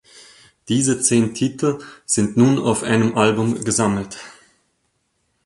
Diese zehn Titel sind nun auf einem Album gesammelt.